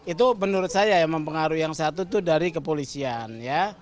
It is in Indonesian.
itu menurut saya yang mempengaruhi yang satu itu dari kepolisian ya